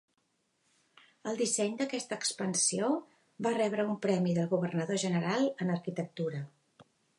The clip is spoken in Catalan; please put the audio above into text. El disseny d'aquesta expansió va rebre un premi del governador general en Arquitectura.